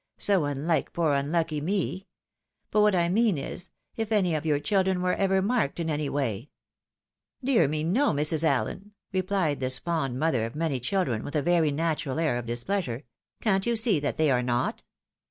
So unhke poor unlucky me ! But what I mean is, if any of your children were ever marked in any way '"" Dear me, no, Mrs. Allen," repUed this fond mother of many children, with a very natural air of displeasure, " can't you see that they are not